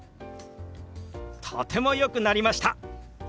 とてもよくなりました！